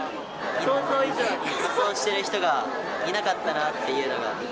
想像以上に仮装してる人がいなかったなっていうのが。